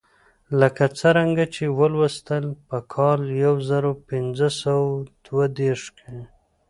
لکه څرنګه چې ولوستل په کال یو زر پنځه سوه دوه دېرش کې.